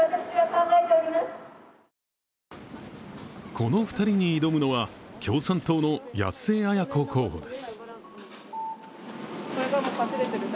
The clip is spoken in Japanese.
この２人に挑むのは共産党の安江綾子候補です。